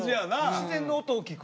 自然の音を聞くわけ？